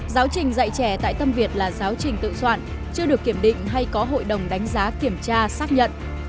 giáo trình dạy trẻ tại tâm việt là giáo trình tự soạn chưa được kiểm định hay có hội đồng đánh giá kiểm tra xác nhận